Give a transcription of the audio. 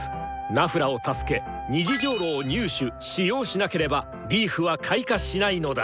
ナフラを助け「虹如露」を入手・使用しなければリーフは開花しないのだ！